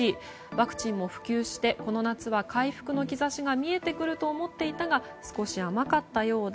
ワクチンも普及してこの夏は回復の兆しが見えてくると思っていたが少し甘かったようだ。